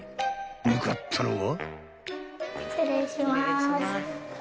［向かったのは］